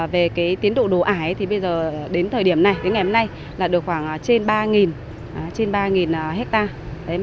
về cái tiến độ đồ ải thì bây giờ đến thời điểm này đến ngày hôm nay là được khoảng trên ba hectare